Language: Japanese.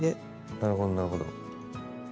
なるほどなるほど。